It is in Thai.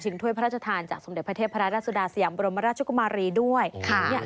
ถ้วยพระราชทานจากสมเด็จพระเทพราชสุดาสยามบรมราชกุมารีด้วย